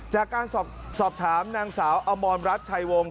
จากการสอบถามนางสาวอมรรัฐชัยวงศ